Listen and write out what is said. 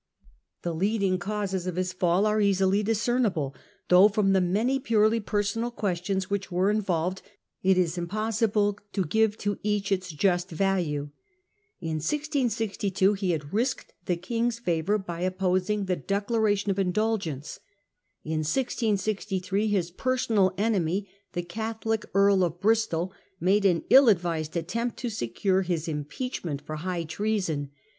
The leading causes of his fall are easily discernible, though, from the many purely personal questions which were involved, it is impossible to give to each its just value. In 1662 he had risked the King's favour by opposing the Declaration of Indulgence. In 1663 his personal enemy, the Catholic Earl of Bristol, made an ill advised attempt to secure his impeachment for high treason.